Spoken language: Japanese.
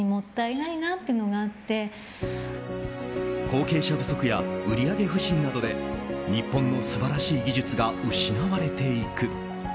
後継者不足や売り上げ不振などで日本の素晴らしい技術が失われていく。